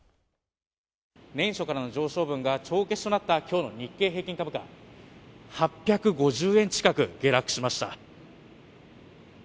年初からの上昇分が帳消しとなった、きょうの日経平均株価、８５０円近く下落しました。